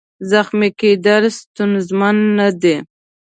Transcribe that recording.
زخمي کېدل ستونزمن نه دي.